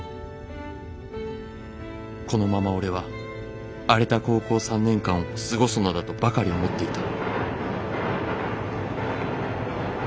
このまま俺は荒れた高校三年間を過ごすのだとばかり思っていた」。